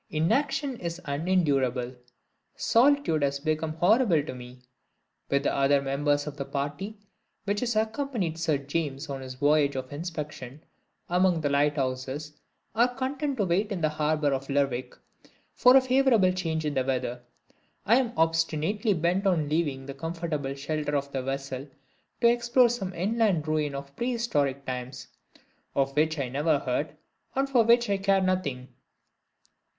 Inaction is unendurable; solitude has become horrible to me. While the other members of the party which has accompanied Sir James on his voyage of inspection among the lighthouses are content to wait in the harbor of Lerwick for a favorable change in the weather, I am obstinately bent on leaving the comfortable shelter of the vessel to explore some inland ruin of prehistoric times, of which I never heard, and for which I care nothing.